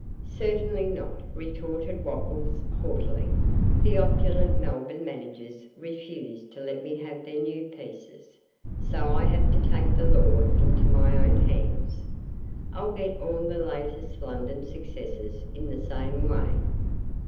'Certainly not,' retorted Wopples, haughtily; 'the opulent Melbourne managers refuse to let me have their new pieces, so I have to take the law into my own hands. I'll get all the latest London successes in the same way.